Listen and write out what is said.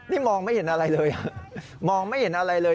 นี่มองไม่เห็นอะไรเลยมองไม่เห็นอะไรเลย